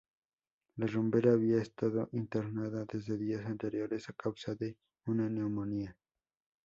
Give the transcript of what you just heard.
La rumbera había estado internada desde días anteriores a causa de una neumonía.